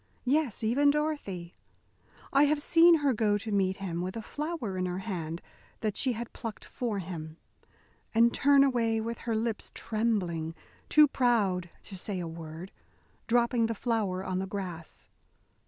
Yes, even Dorothy. I have seen her go to meet him with a flower in her hand that she had plucked for him, and turn away with her lips trembling, too proud to say a word, dropping the flower on the grass.